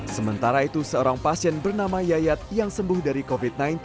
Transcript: sementara itu seorang pasien bernama yayat yang sembuh dari covid sembilan belas